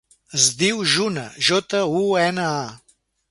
Es diu Juna: jota, u, ena, a.